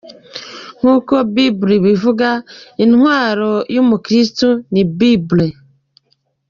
Nkuko bible ivuga, intwaro y’umukristu ni Bible.